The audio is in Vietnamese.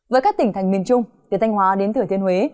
với các tỉnh thành miền trung từ thanh hóa đến thừa thiên huế